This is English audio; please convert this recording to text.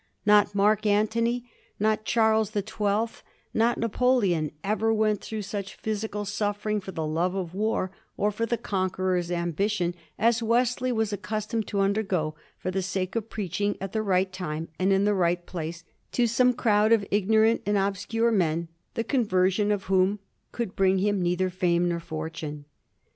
Not Mark ADtony, not Charles the Twelfth, not Napoleon, ever went through such physical suffering for the love of war, or for the conqueror's am bition, as Wesley was accustomed to undergo for the sake of preaching at the right time and in the right place to some crowd of ignorant and obscure men, the conversion of whom could bring him neither fame nor fortune.